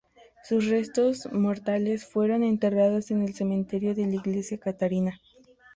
Sus restos mortales fueron enterrados en el cementerio de la iglesia de Katarina.